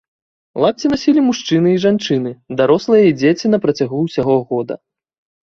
Лапці насілі мужчыны і жанчыны, дарослыя і дзеці на працягу ўсяго года.